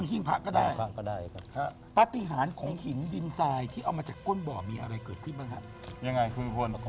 นี้นะครับคุณพนทขอมาพบไปนะครับครับคุณพนท